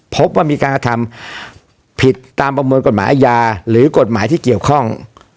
พบว่ามีการกระทำผิดตามประมวลกฎหมายอาญาหรือกฎหมายที่เกี่ยวข้อง